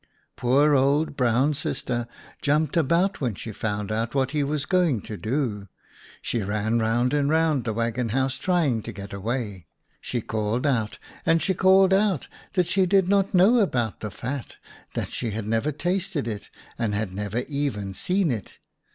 V Poor old Brown Sister jumped about when she found out what he was going to do; she ran round and round the waggon house trying to get away ; she called out, and she called out that she did not know about the WHO WAS THE THIEF? 51 fat, that she had never tasted it, and had never even seen it.